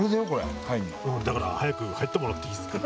だから早く入ってもらっていいですか？